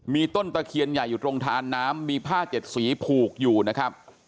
มีต้นตะเคียนใหญ่อยู่ตรงทานน้ำมีผ้าเจ็ดสีผูกอยู่นะครับ